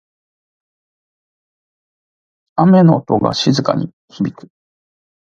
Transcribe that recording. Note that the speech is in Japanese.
雨の音が静かに響く。